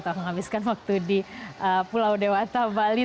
atau menghabiskan waktu di pulau dewata bali